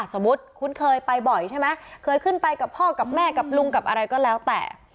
สมมุติคุ้นเคยไปบ่อยใช่ไหมเคยขึ้นไปกับพ่อกับแม่กับลุงกับอะไรก็แล้วแต่